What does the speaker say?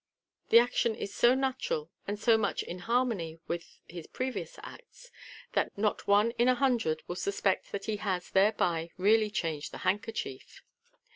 The action is so natural, and so much in harmony with his previous acts, that not one in a hundred will suspect that he has thereby really changed the handkerchief.